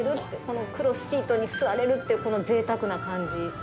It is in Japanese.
このクロスシートに座れるっていうこのぜいたくな感じ。